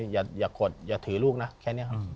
อย่าขดอย่าถือลูกนะแค่นี้ครับ